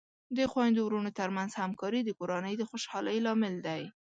د خویندو ورونو ترمنځ همکاري د کورنۍ د خوشحالۍ لامل دی.